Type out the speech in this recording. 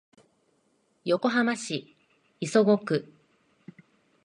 横浜市磯子区